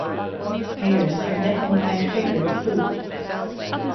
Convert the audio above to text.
Pears are definitely my favourite fruit.